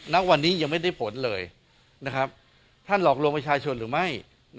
ณวันนี้ยังไม่ได้ผลเลยท่านหลอกลวงประชาชนหรือไม่